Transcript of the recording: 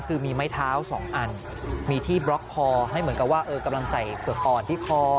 คือมีไม้เท้าสองอันมีที่บล็อกคอให้เหมือนกับว่ากำลังใส่เผือกอ่อนที่คอ